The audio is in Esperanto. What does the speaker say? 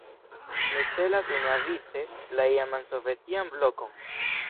Mi celas unuavice la iaman sovetian "blokon".